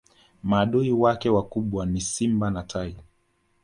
maadui wake wakubwa ni simba na tai